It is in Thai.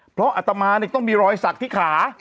เพราะอัตมาเนี่ยต้องมีรอยศักดิ์ที่ขา